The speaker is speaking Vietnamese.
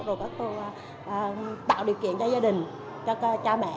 rồi các cô tạo điều kiện cho gia đình cho cha mẹ